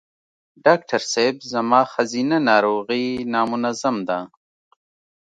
ډاکټر صېب زما ښځېنه ناروغی نامنظم ده